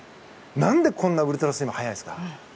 何でこんなにウルトラスイマー速いんですか？